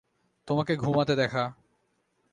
তোমাকে ঘুমাতে দেখা।